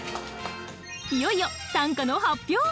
いよいよ短歌の発表！